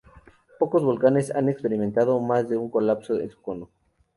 Pocos volcanes han experimentado más de un colapso de su cono.